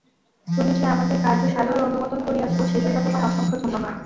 তুমি যে আমাদের কার্য সাদরে অনুমোদন করিয়াছ, সেজন্য তোমায় অসংখ্য ধন্যবাদ।